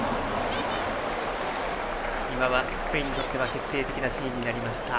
スペインにとっては決定的なシーンでした。